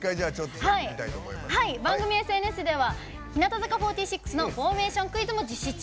番組ＳＮＳでは日向坂４６のフォーメーションクイズも実施中。